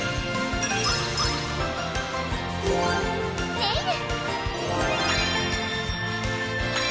ネイル！